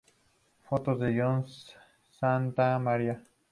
Fotos de Jon Santamaría